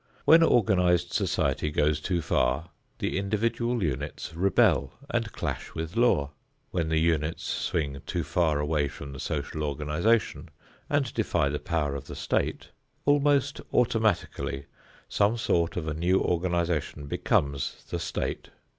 When organized society goes too far, the individual units rebel and clash with law; when the units swing too far away from the social organization and defy the power of the state, almost automatically some sort of a new organization becomes the state.